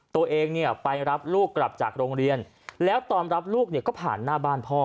ตัวเองเนี่ยไปรับลูกกลับจากโรงเรียนแล้วตอนรับลูกเนี่ยก็ผ่านหน้าบ้านพ่อ